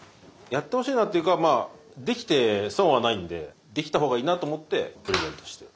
やってほしいなというかまあできて損はないんでできた方がいいなと思ってプレゼントして。